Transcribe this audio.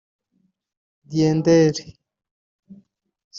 Diendéré